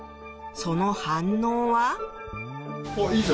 その反応は？